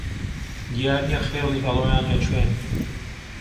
دیار نییە خێڵی هەڵۆیان لە کوێن